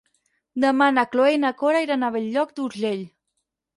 Demà na Cloè i na Cora aniran a Bell-lloc d'Urgell.